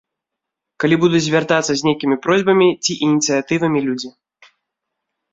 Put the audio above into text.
Калі будуць звяртацца з нейкімі просьбамі ці ініцыятывамі людзі.